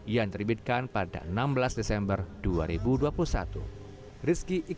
yang terbitkan pada enam belas desember dua ribu dua puluh satu